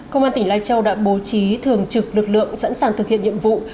công an tỉnh lai châu đã bố trí thường trực lực lượng sẵn sàng thực hiện nhiệm vụ